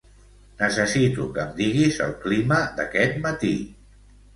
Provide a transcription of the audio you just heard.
Necessito que em diguis el clima d'aquest matí.